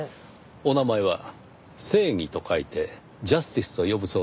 お名前は「正義」と書いて「ジャスティス」と読むそうで。